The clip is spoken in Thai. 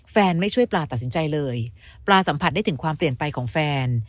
ไม่ช่วยปลาตัดสินใจเลยปลาสัมผัสได้ถึงความเปลี่ยนไปของแฟน